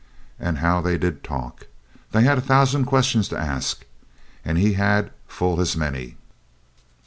And how they did talk! They had a thousand questions to ask, and he had full as many.